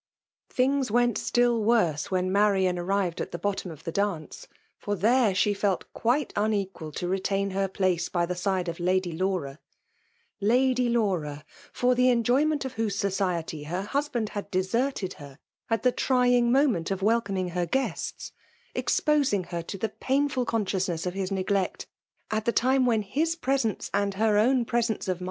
Things went still worse Kdien Marmn arrived at the bottom of the dance, for tkere sheltUt quite imequal to retain her plaee by the side of Lady Lava ;— Lady Laura — fer the enjoy ment of whose society her hersbaad had ^ serted her at the trying moment of welcoming his guests; exposing her to the painlht eos sdou^nesB of his neglect at the time when his mfJUC DaMIffATlOK.